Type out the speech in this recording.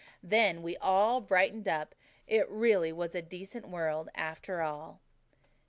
Then we brightened up. It was really a very decent world after all.